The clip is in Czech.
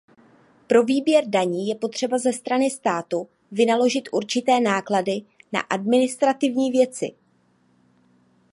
Pro výběr daní je potřeba ze strany státu vynaložit určité náklady na administrativní věci.